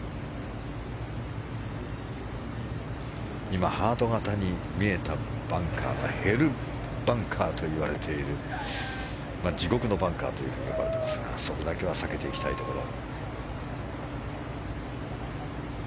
今、ハート形に見えたバンカーがヘルバンカーといわれている地獄のバンカーと呼ばれていますがそこだけは避けていきたいところ。